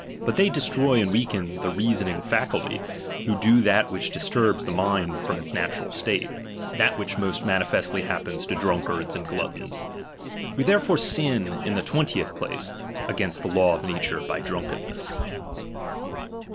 But they destroy and weaken the reasoning faculty, who do that which disturbs the mind from its natural state ; that which most manifestly happens to drunkards, and gluttons. We therefore sin, in the twentieth place, against the law of nature by drunkenness.